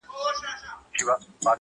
یا به چړې وي د قصابانو -